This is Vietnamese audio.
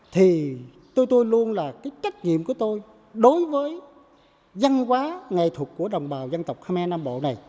thì tôi luôn là cái trách nhiệm của tôi đối với văn hóa nghệ thuật của đồng bào dân tộc khmer nam bộ này